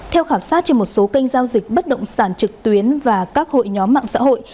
theo khảo sát trên một số kênh giao dịch bất động sản trực tuyến và các hội nhóm mạng xã hội